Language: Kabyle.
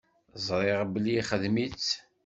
Ẓriɣ belli ixdem-itt.